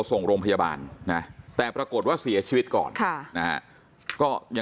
ส่งโรงพยาบาลนะแต่ปรากฏว่าเสียชีวิตก่อนค่ะนะฮะก็ยัง